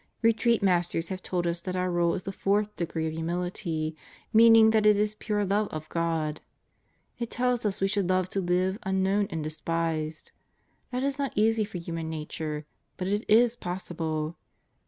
Retreat Masters have told us that our Rule is the Fourth Degree of Humility, meaning that it is pure love of God. It tells us we should love to live unknown and despised. That is not easy for human nature, but it is possible.